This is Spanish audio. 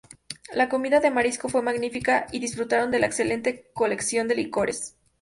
La comida de marisco fue magnífica y disfrutaron de la excelente colección de licores.